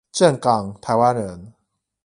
正港台灣人